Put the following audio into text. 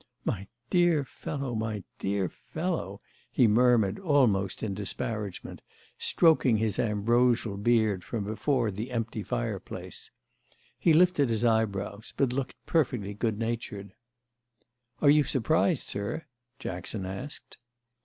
"My dear fellow, my dear fellow," he murmured almost in disparagement, stroking his ambrosial beard from before the empty fireplace. He lifted his eyebrows, but looked perfectly good natured. "Are you surprised, sir?" Jackson asked.